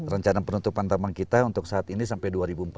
rencana penutupan taman kita untuk saat ini sampai dua ribu empat puluh lima